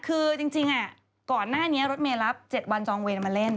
คือจริงก่อนหน้านี้รถเมย์รับ๗วันจองเวรมาเล่น